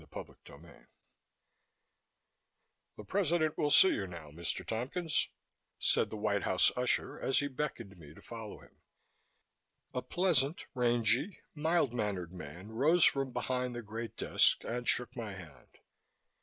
CHAPTER 19 "The President will see you now, Mr. Tompkins," said the White House usher, as he beckoned me to follow him. A pleasant, rangy, mild mannered man rose from behind the great desk and shook my hand.